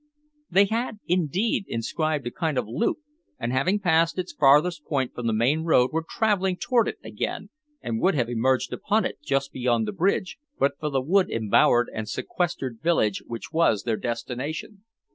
They had, indeed, inscribed a kind of loop and having passed its farthest point from the main road were traveling toward it again and would have emerged upon it just beyond the bridge but for the wood embowered and sequestered village which was their destination.